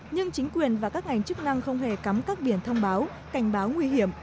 nhưng chính quyền và các ngành chức năng không hề cắm các biển thông báo cảnh báo nguy hiểm